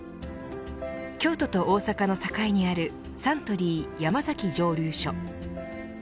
京都と大阪の境にあるサントリー山崎蒸留所。